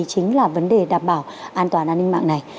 chính là vấn đề đảm bảo an toàn an ninh mạng này